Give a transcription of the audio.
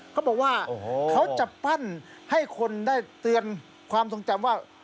เขาบอกว่าเขาจะปั้นให้คนได้เตือนความทรงจำว่า